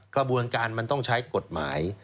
กระบวนการมันต้องใช้กฎหมาย